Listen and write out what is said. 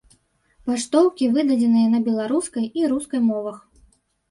Паштоўкі выдадзеныя на беларускай і рускай мовах.